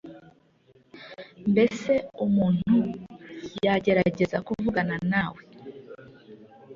Mbese umuntu yagerageza kuvugana nawe